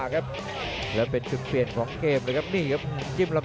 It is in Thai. กระโดยสิ้งเล็กนี่ออกกันขาสันเหมือนกันครับ